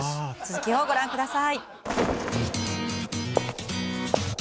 続きをご覧ください